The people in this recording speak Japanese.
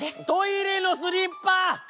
トイレのスリッパ！